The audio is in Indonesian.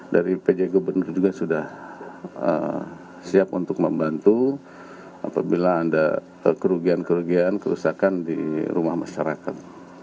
dari pj gubernur juga sudah siap untuk membantu apabila ada kerugian kerugian kerusakan di rumah masyarakat